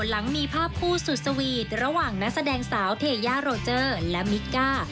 หลังมีภาพคู่สุดสวีทระหว่างนักแสดงสาวเทยาโรเจอร์และมิกก้า